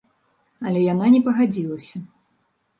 Але яна не пагадзілася.